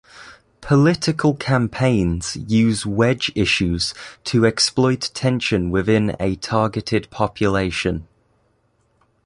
Political campaigns use wedge issues to exploit tension within a targeted population.